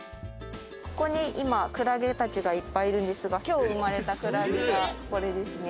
ここに今クラゲたちがいっぱいいるんですが今日生まれたクラゲがこれですね。